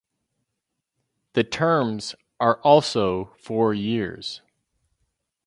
The terms are also four years.